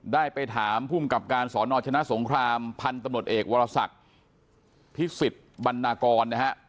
ได้ไปถามภูมิกับการสอนอชนะสงครามพันธุ์ตำรวจเอกวรศักดิ์พิสิทธิ์บรรณากรนะฮะ